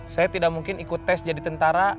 saya tidak mungkin ikut tes jadi tentara